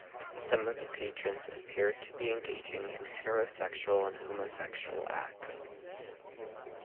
Some of the patrons even appear to be engaging in heterosexual and homosexual acts.